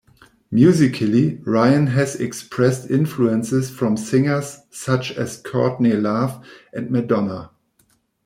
Musically, Ryann has expressed influences from singers such as Courtney Love and Madonna.